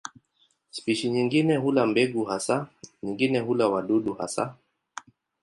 Spishi nyingine hula mbegu hasa, nyingine hula wadudu hasa.